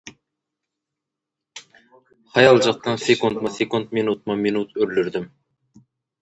Haýaljakdan, sekuntma-sekunt, minutma-minut öldürdim.